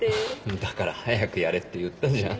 だから早くやれって言ったじゃん。